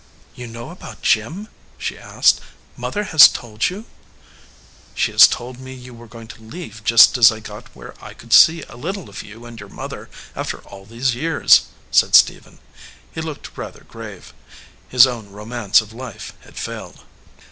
"You know about Jim?" she asked. "Mother has told you?" "She has told me you were going to leave just as I got where I could see a little of you and your mother after all these years," said Stephen. He looked rather grave. His own romance of life had failed.